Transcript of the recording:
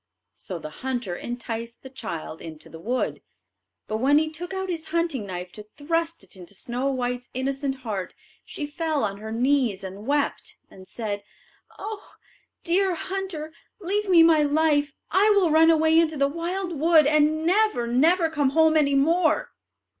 So the hunter enticed the child into the wood; but when he took out his hunting knife to thrust into Snow white's innocent heart, she fell on her knees and wept, and said, "Ah, dear hunter, leave me my life; I will run away into the wild wood, and never, never come home any more."